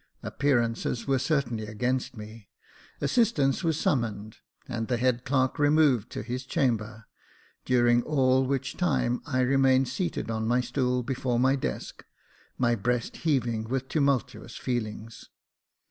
Appearances were certainly against me. Assistance was summoned, and the head clerk removed to his chamber, during all which time I remained seated on my stool before the desk, my breast heaving with tumultuous feelings.